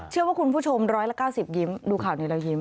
เชื่อว่าคุณผู้ชม๑๙๐ยิ้มดูข่าวนี้แล้วยิ้ม